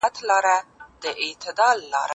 سالم ذهن هدف نه کموي.